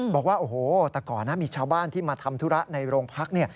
บอกว่าโอ้โหแต่ก่อนนะมีชาวบ้านที่มาทำธุระในโรงพัก